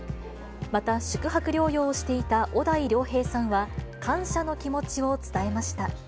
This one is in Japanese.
また宿泊療養をしていた小田井涼平さんは、感謝の気持ちを伝えました。